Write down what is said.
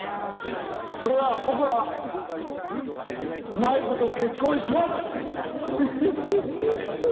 それは僕は繭子と結婚します！